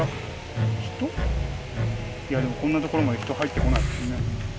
いやでもこんな所まで人入ってこないもんね。